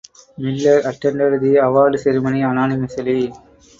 Miller attended the award ceremony anonymously.